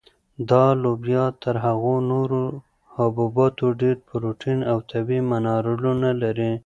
دا لوبیا تر هغو نورو حبوباتو ډېر پروټین او طبیعي منرالونه لري.